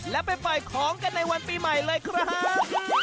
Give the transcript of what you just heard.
แล้วไปปล่อยของกันในวันปีใหม่เลยครับ